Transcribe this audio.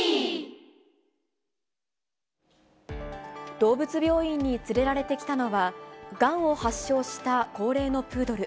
動物病院に連れられてきたのは、がんを発症した高齢のプードル。